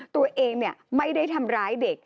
ตัวเองไม่ได้ทำร้ายเด็ก